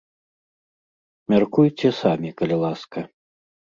Мяркуйце самі, калі ласка.